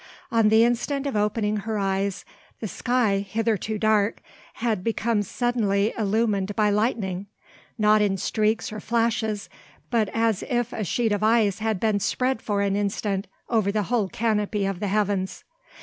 On the instant of opening her eyes, the sky, hitherto dark, had become suddenly illumined by lightning, not in streaks or flashes, but as if a sheet of fire had been spread for an instant over the whole canopy of the heavens.